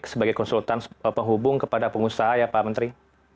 sebagai konsultan penghubung kepada pengusaha ya pak menteri